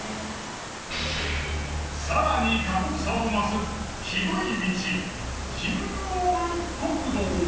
さらに過酷さを増す酷い道キングオブ酷道。